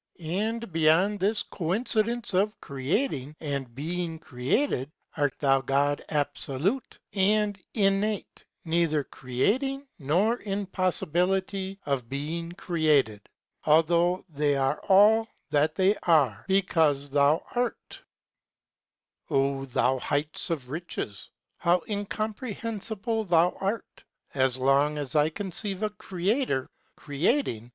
And beyond this Coin cidence of creating and being created , a t ihmi vo'd abfolute and inn Ue neither creating nor in poiiibiitty of being created, althou^ . they arc all chat they axe, Utuuic uiou icu 1 Jltr? •/?. 7* O thou heights ofriche^bov? incomprehensible art thon , as long as I conceive a Creator, creating.